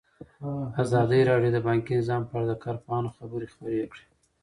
ازادي راډیو د بانکي نظام په اړه د کارپوهانو خبرې خپرې کړي.